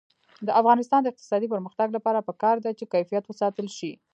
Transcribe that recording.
د افغانستان د اقتصادي پرمختګ لپاره پکار ده چې کیفیت وساتل شي.